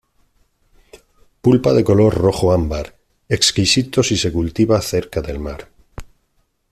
Pulpa de color rojo ámbar, exquisito si se cultiva cerca del mar.